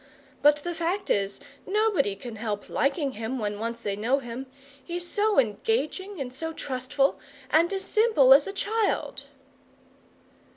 But the fact is, nobody can help liking him when once they know him. He's so engaging and so trustful, and as simple as a child!"